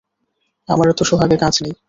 আমার এত সোহাগে কাজ নেই।